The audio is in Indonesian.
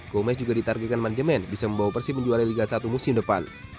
gomez juga ditargetkan manajemen bisa membawa persib menjuarai liga satu musim depan